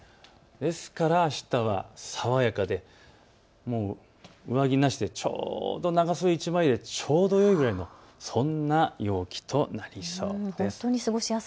ですからあしたは爽やかで上着なしでちょうど長袖１枚でちょうどいいそんな陽気となりそうです。